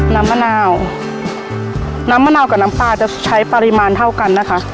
มะนาวน้ำมะนาวกับน้ำปลาจะใช้ปริมาณเท่ากันนะคะ